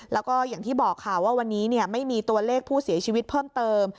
แล้วก็อย่างที่บอกค่ะว่าวันนี้ไม่มีตัวเลขผู้เสียชีวิตเพิ่มเติม